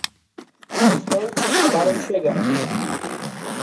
Os noivos acabaram de chegar